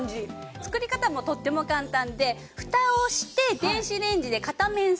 作り方もとっても簡単でフタをして電子レンジで片面３分。